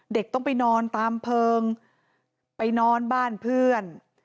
เด็กต้องไปนอนตามเพลิงไปนอนบ้านเพื่อน